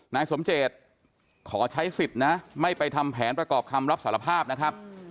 นายสมเจตขอใช้สิทธิ์นะไม่ไปทำแผนประกอบคำรับสารภาพนะครับ